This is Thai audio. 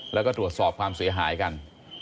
แล้วก็ตรวจสอบความเสียหายกัน